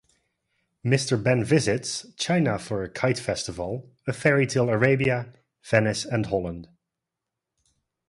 Mr Benn visits: China for a kite festival, a fairytale Arabia, Venice and Holland.